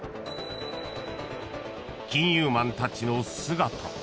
［金融マンたちの姿］